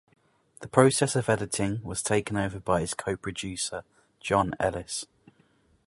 The process of editing was taken over by his co-producer John Ellis.